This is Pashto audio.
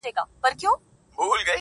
سوال کوم کله دي ژړلي گراني .